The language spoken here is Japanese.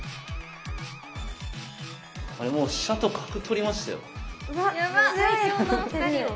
あれもう飛車と角取りましたよ。